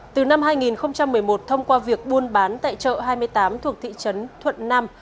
từ năm hai nghìn một mươi một thông qua việc buôn bán tại chợ hai mươi tám thuộc thị trấn thuận nam